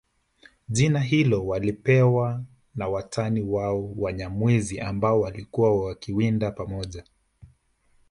Jina hilo walipewa na watani wao Wanyamwezi ambao walikuwa wakiwinda pamoja